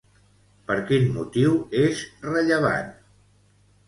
Per quin motiu és rellevant?